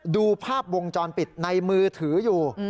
ดูภาพวงจรปิดในมือถืออยู่